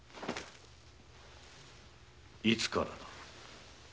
いつからだ。